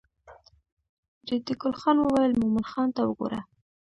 ریډي ګل خان وویل مومن خان ته وګوره.